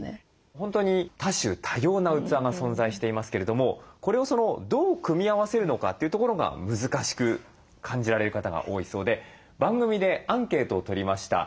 本当に多種多様な器が存在していますけれどもこれをどう組み合わせるのかというところが難しく感じられる方が多いそうで番組でアンケートを取りました。